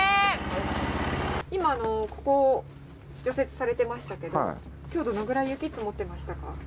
今、ここ除雪されてましたけど、きょう、どのくらい雪積もってましたか？